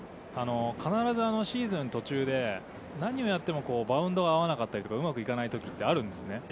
必ずシーズン途中で何をやってもバウンドが合わなかったりうまくいかないときってあるんですね